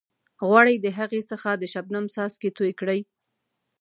غواړئ د هغې څخه د شبنم څاڅکي توئ کړئ.